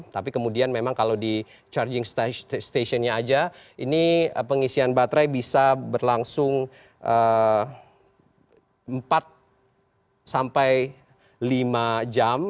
tapi kemudian memang kalau di charging stationnya aja ini pengisian baterai bisa berlangsung empat sampai lima jam